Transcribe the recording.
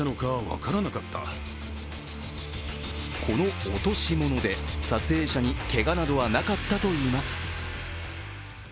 この落とし物で撮影者にけがなどはなかったといいます。